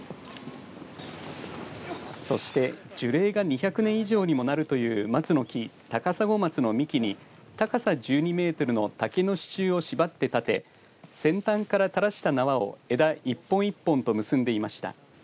そして樹齢が２００年以上にもなるという松の木高砂松の幹に高さ１２メートルのたけの支柱を縛って立て先端から垂らした縄を枝、１本１本と結んでいました。